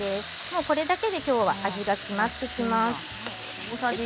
もう、これだけできょうは味が決まってきます。